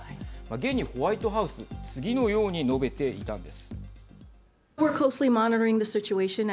現にホワイトハウス次のように述べていたんです。